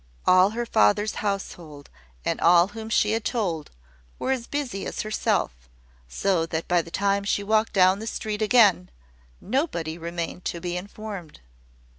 All her father's household, and all whom she had told, were as busy as herself; so that by the time she walked down the street again, nobody remained to be informed.